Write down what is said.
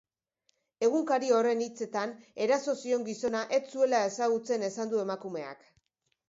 Egunkari horren hitzetan, eraso zion gizona ez zuela ezagutzen esan du emakumeak.